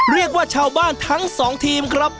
เรียกว่าชาวบ้านทั้งสองทีมครับ